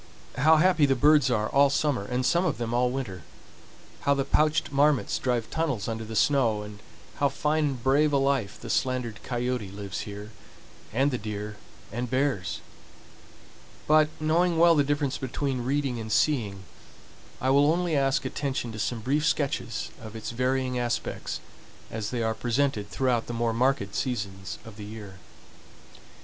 How happy the birds are all summer and some of them all winter; how the pouched marmots drive tunnels under the snow, and how fine and brave a life the slandered coyote lives here, and the deer and bears! But, knowing well the difference between reading and seeing, I will only ask attention to some brief sketches of its varying aspects as they are presented throughout the more marked seasons of the year.